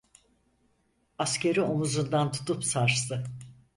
Askeri omuzundan tutup sarstı...